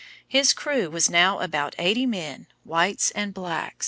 His crew was now about eighty men, whites and blacks.